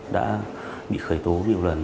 đã bị khởi tố nhiều lần